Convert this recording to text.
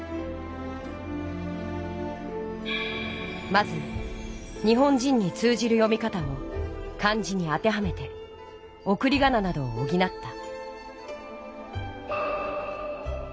まず日本人に通じる読み方を漢字に当てはめておくりがななどをおぎなった。